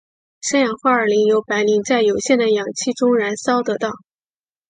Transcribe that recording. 三氧化二磷由白磷在有限的氧气中燃烧得到。